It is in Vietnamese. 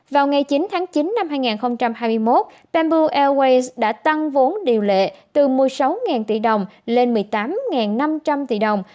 vào ngày chín tháng chín năm hai nghìn hai mươi một bamboo airways đã tăng vốn điều lệ từ một mươi sáu tỷ đồng lên một mươi tám năm trăm linh tỷ đồng